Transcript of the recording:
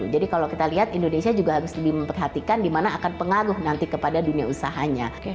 jadi kalau kita lihat indonesia juga harus lebih memperhatikan di mana akan pengaruh nanti kepada dunia usahanya